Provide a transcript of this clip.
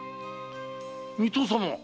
水戸様。